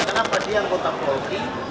kenapa dia kota polki